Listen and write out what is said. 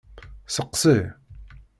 Seqsi.